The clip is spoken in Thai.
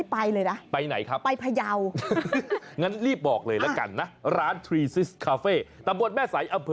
อีกมาอีกมาอีกมาอีกมาอีกมาอีกมาอีกมาอีกมาอีก